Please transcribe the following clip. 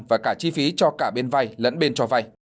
và cả chi phí cho cả bên vay lẫn bên cho vay